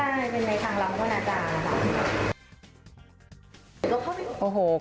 ใช่เป็นในทางล้ำวนะจาง